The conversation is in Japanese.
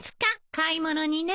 買い物にね。